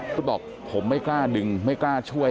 คุณบอกผมไม่กล้าดึงไม่กล้าช่วย